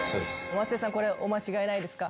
松也さんこれお間違いないですか？